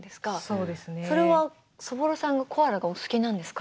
それはそぼろさんがコアラがお好きなんですか？